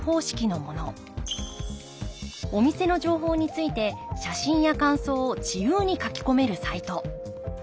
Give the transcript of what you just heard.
お店の情報について写真や感想を自由に書き込めるサイト。